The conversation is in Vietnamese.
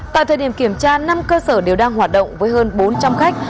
tại thời điểm kiểm tra năm cơ sở đều đang hoạt động với hơn bốn trăm linh khách